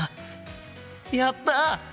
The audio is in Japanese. やった！